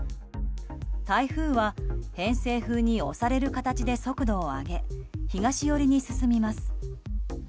台風は、偏西風に押される形で速度を上げ、東寄りに進みます。